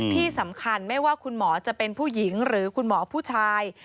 ที่สำคัญไม่ว่าคุณหมอจะเป็นผู้หญิงหรือคุณหมอผู้ชาย